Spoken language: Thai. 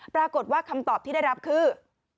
ประกอบคำตอบที่ได้รับคือ